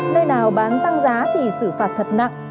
nơi nào bán tăng giá thì xử phạt thật nặng